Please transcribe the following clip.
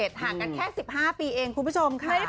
ห่างกันแค่๑๕ปีเองคุณผู้ชมค่ะ